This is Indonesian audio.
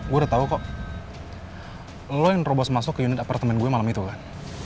gue udah tau kok lo yang robos masuk ke unit apartemen gue malam itu kan